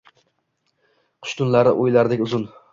Qish tunlari oʼylardek uzun